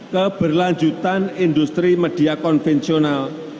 keberlanjutan industri media konvensional